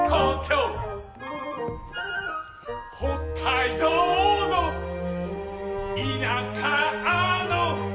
「北海道の田舎の」